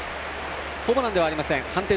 ホームランではありません。